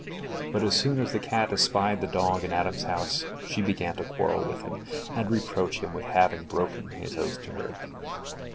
But as soon as the cat espied the dog in Adam's house, she began to quarrel with him, and reproach him with having broken his oath to her.